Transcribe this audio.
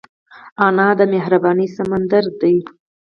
انا د لورینې سمندر ده